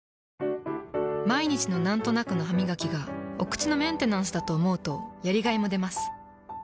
毎日のなんとなくのハミガキがお口のメンテナンスだと思うとやりがいもでます。